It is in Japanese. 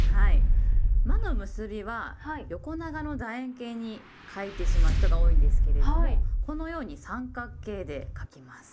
「ま」の結びは横長のだ円形に書いてしまう人が多いんですけれどもこのように三角形で書きます。